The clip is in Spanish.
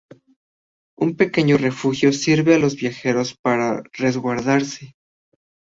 Un pequeño refugio sirve a los viajeros para resguardarse.